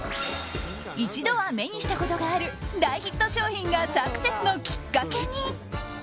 一度は目にしたことがある大ヒット商品がサクセスのきっかけに。